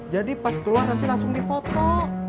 jadi pas keluar nanti langsung di foto